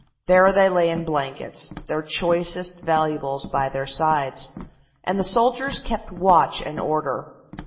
There they lay in blankets, their choicest valuables by their sides, and the soldiers kept watch and order.